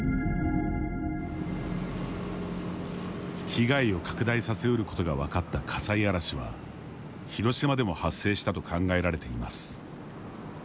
被害を拡大させ得ることが分かった火災嵐は広島でも発生したと考えられています。